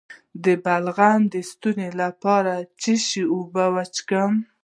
د بلغم د ایستلو لپاره د څه شي اوبه وڅښم؟